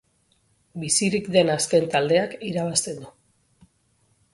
Bizirik den azken taldeak irabazten du.